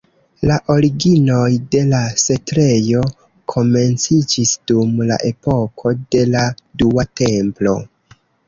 La originoj de la setlejo komenciĝis dum la epoko de la Dua Templo.